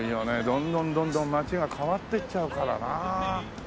どんどんどんどん街が変わってっちゃうからなあ。